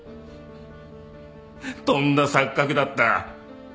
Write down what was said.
とんだ錯覚だった。